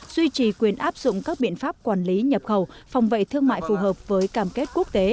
duy trì quyền áp dụng các biện pháp quản lý nhập khẩu phòng vệ thương mại phù hợp với cam kết quốc tế